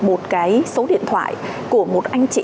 một cái số điện thoại của một anh chị